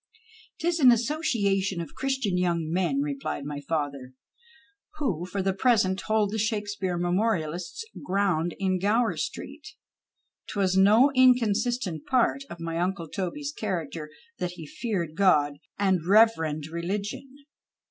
" 'Tis an association of Christian young men," repHed my father, " who for the present hold the Shakespeare Memorialists' ground in Gower Street." 'Twas no inconsistent part of my uncle Toby's character that he feared God and reverenced religion.